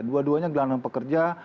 dua duanya gelandang pekerja